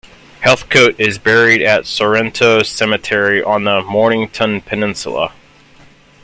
Heathcote is buried at Sorrento Cemetery on the Mornington Peninsula.